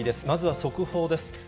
まずは速報です。